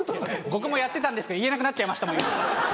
僕もやってたんですけど言えなくなっちゃいました今。